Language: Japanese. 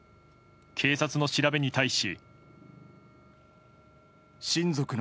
警察の調べに対し。